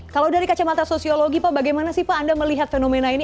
kalau dari kacamata sosiologi pak bagaimana sih pak anda melihat fenomena ini